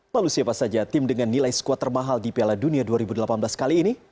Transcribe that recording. lalu siapa saja tim dengan nilai squad termahal di piala dunia dua ribu delapan belas kali ini